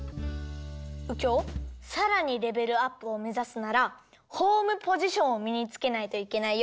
うきょうさらにレベルアップをめざすならホームポジションをみにつけないといけないよ。